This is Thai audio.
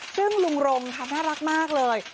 ซึ่งลุงรงค่ะน่ารักมากเลย